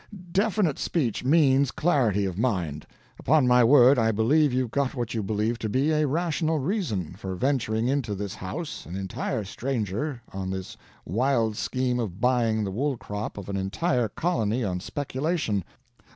Definite speech means clarity of mind. Upon my word I believe you've got what you believe to be a rational reason, for venturing into this house, an entire stranger, on this wild scheme of buying the wool crop of an entire colony on speculation.